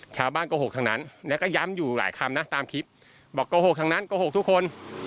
โกหกทั้งนั้นแล้วก็ย้ำอยู่หลายคำนะตามคลิปบอกโกหกทางนั้นโกหกทุกคน